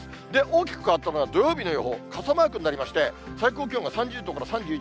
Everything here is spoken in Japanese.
大きく変わったのが土曜日の予報、傘マークになりまして、最高気温が３０度から３１度。